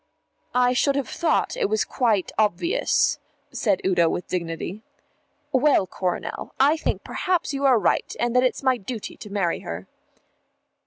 "I should have thought it was quite obvious," said Udo with dignity. "Well, Coronel, I think perhaps you are right and that it's my duty to marry her."